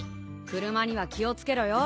車には気を付けろよ。